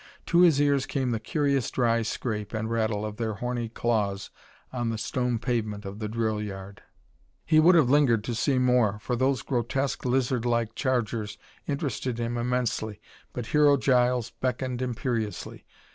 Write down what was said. To his ears came the curious dry scrape and rattle of their horny claws on the stone pavement of the drill yard. He would have lingered to see more, for those grotesque, lizard like chargers interested him immensely, but Hero Giles beckoned imperiously.